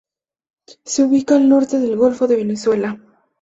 Se ubica al norte del golfo de Venezuela.